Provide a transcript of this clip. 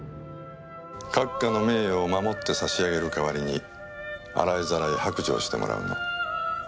閣下の名誉を守ってさしあげる代わりに洗いざらい白状してもらうの。